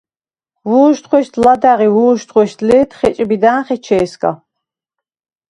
ვო̄შთხვე̄შდ ლადეღ ი ვო̄შთხვე̄შდ ლე̄თ ხეჭბიდა̄̈ნ ეჩე̄სგა.